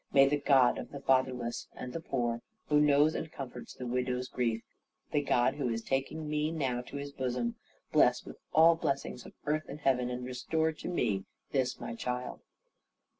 "May the God of the fatherless and the poor, who knows and comforts the widow's grief, the God who is taking me now to His bosom, bless with all blessings of earth and heaven, and restore to me this my child."